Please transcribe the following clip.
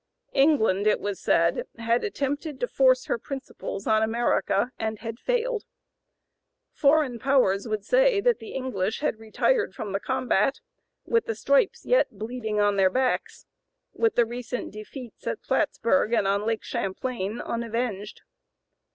England, it was said, "had attempted to force her principles on America, and had failed." Foreign powers would say that the English "had retired from the combat with the stripes yet bleeding on their backs, with the recent defeats at Plattsburgh and on Lake Champlain unavenged."